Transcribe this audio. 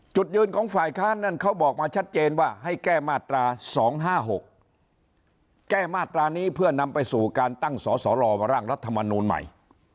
จุดยืนของฝ่ายค้านนั้นเขาบอกมาชัดเจนว่าให้แก้มาตรา๒๕๖แก้มาตรานี้เพื่อนำไปสู่การตั้งสสลร่างรัฐมนูลใหม่